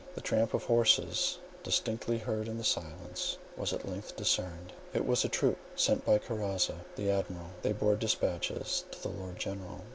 The tramp of horses, distinctly heard in the silence, was at length discerned. It was a troop sent by Karazza, the Admiral; they bore dispatches to the Lord General.